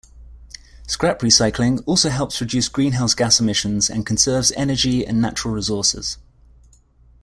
Scrap recycling also helps reduce greenhouse gas emissions and conserves energy and natural resources.